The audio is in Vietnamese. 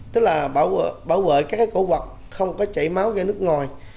tức là bảo vệ các cổ vật không có chảy máu ra nước ngoài